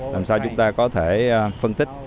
làm sao chúng ta có thể phân tích